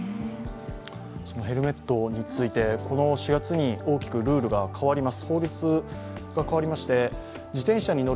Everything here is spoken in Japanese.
ヘルメットについて、この４月に大きくルールが変わります。